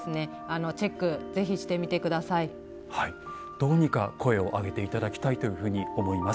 どうにか声を上げていただきたいというふうに思います。